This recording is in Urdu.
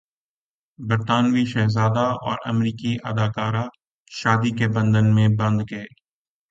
برطانوی شہزادہ اور امریکی اداکارہ شادی کے بندھن میں بندھ گئے